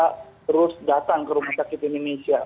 kita terus datang ke rumah sakit indonesia